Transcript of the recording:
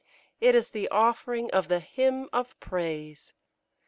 It is the offering of the Hymn of Praise!